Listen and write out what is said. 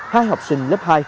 hai học sinh lớp hai